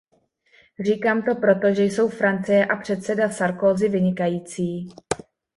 Říkám to proto, že jsou Francie a předseda Sarkozy vynikající.